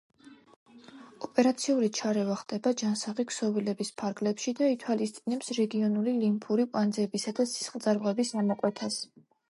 ოპერაციული ჩარევა ხდება ჯანსაღი ქსოვილების ფარგლებში და ითვალისწინებს რეგიონული ლიმფური კვანძებისა და სისხლძარღვების ამოკვეთას.